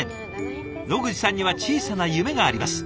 野口さんには小さな夢があります。